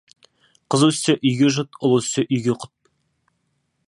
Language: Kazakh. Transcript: Қыз өссе, үйге жұт, ұл өссе, үйге құт.